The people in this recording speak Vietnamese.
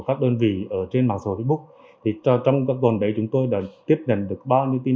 các đơn vị ở trên mạng xã hội facebook trong các tuần đấy chúng tôi đã tiếp nhận được bao nhiêu tin